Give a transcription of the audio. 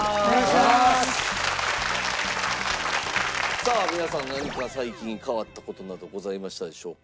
さあ皆さん何か最近変わった事などございましたでしょうか？